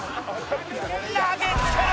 投げつける！